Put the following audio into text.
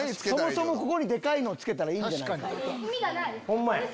そもそもここにデカいのをつけたらいいんじゃないか。